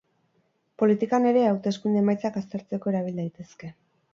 Politikan ere, hauteskunde emaitzak aztertzeko erabil daitezke.